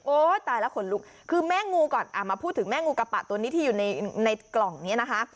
ตายแล้วขนลุกคือแม่งูก่อนมาพูดถึงแม่งูกระปะตัวนี้ที่อยู่ในกล่องนี้นะคะ